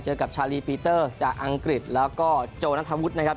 กับชาลีปีเตอร์จากอังกฤษแล้วก็โจนัธวุฒินะครับ